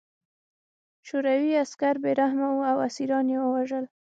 شوروي عسکر بې رحمه وو او اسیران یې وژل